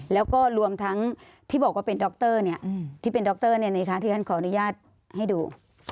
แล้วก็รวมทั้งที่บอกว่าเป็นด็อกเตอร์เนี่ยอืมที่เป็นด็อกเตอร์เนี่ยนะคะที่ฉันขออนุญาตให้ดู